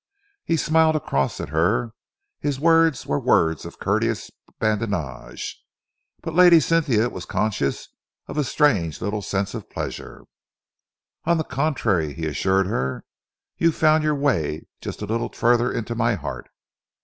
He smiled across at her. His words were words of courteous badinage, but Lady Cynthia was conscious of a strange little sense of pleasure. "On the contrary," he assured her, "you found your way just a little further into my heart."